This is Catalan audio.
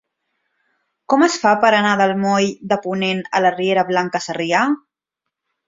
Com es fa per anar del moll de Ponent a la riera Blanca Sarrià?